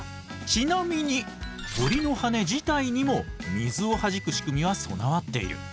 ちなみに鳥の羽自体にも水をはじく仕組みは備わっている。